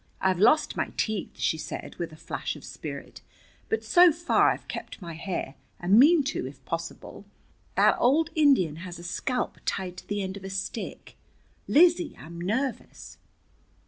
I've lost my teeth," she said with a flash of spirit, "but so far I've kept my hair, and mean to if possible. That old Indian has a scalp tied to the end of a stick. Lizzie, I'm nervous."